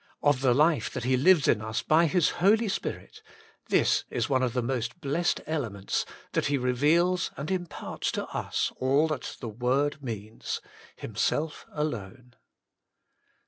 Of the life that He lives in us hy His Holy Spirit, this is one of the most blessed elements, that He re veals and imparts to us all that the Word means — Himself alone.